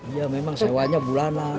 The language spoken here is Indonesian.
iya memang sewanya bulanan